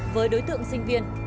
với đối tượng sinh viên